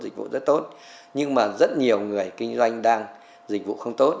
dịch vụ rất tốt nhưng mà rất nhiều người kinh doanh đang dịch vụ không tốt